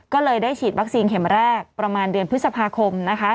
ก็เลยได้ฉีดวัคซีนเข็มแรกประมาณเดือนพฤษภาคมนะคะ